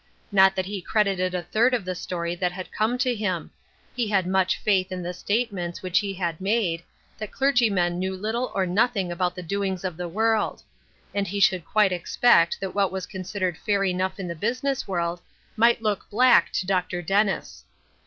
Not that he credited a third of the story that had come to him. He had much faith in the statements which he had made, that clergymen knew little or nothing about the doings of this world ; and he should quite expect that what was considered fair enough in the business world, might look black to Dr. Dennis.